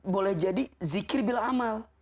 boleh jadi zikir bila amal